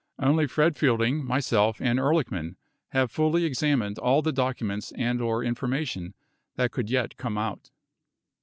Only Fred Fielding, myself, and Ehrlichman have fully examined all the documents and/ or information that could yet come out